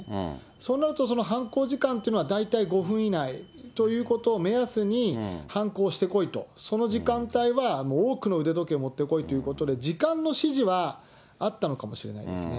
そうなると、犯行時間というのは大体５分以内ということを目安に犯行してこいと、その時間帯は多くの腕時計を持って来いということで、時間の指示はあったのかもしれないですね。